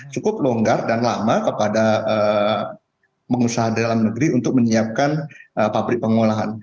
cukup longgar dan lama kepada pengusaha dalam negeri untuk menyiapkan pabrik pengolahan